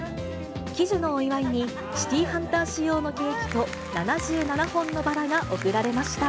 喜寿のお祝いに、シティーハンター仕様のケーキと、７７本のバラが贈られました。